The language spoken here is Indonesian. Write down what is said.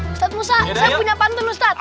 ustadz musa saya punya pantun ustadz